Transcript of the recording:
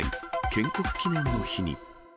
建国記念の日に。